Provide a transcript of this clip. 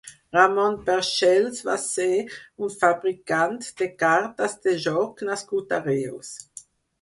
Ramon Perxells va ser un fabricant de cartes de joc nascut a Reus.